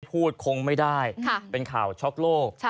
คงไม่ได้เป็นข่าวช็อกโลก